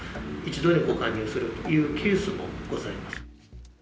一度にご加入するというケースもございます。